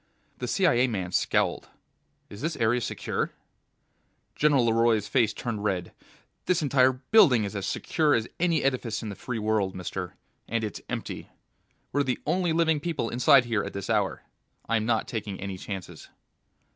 The CIA man scowled. "Is this area Secure?" General LeRoy's face turned red. "This entire building is as Secure as any edifice in the Free World, mister. And it's empty. We're the only living people inside here at this hour. I'm not taking any chances."